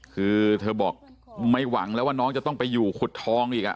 คือเธอบอกไม่หวังแล้วว่าน้องจะต้องไปอยู่ขุดทองอีก